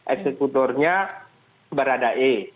eksekutornya berada e